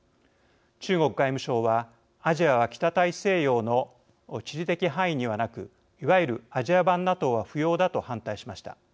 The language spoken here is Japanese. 中国外務省はアジアは北大西洋の地理的範囲にはなくいわゆるアジア版ＮＡＴＯは不要だと反対しました。